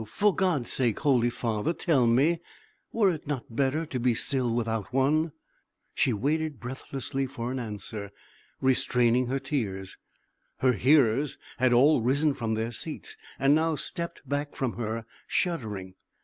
For God's sake, holy father, tell me were it not better to be still without one?" She waited breathlessly for an answer, restraining her tears. Her hearers had all risen from their seats, and now stepped back from her, shuddering.